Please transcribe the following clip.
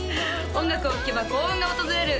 音楽を聴けば幸運が訪れる